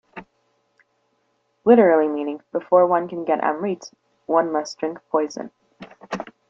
Literally meaning: before one can get Amrit, one must drink poison.